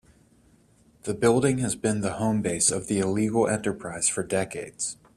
The building has been the home base of the illegal enterprise for decades.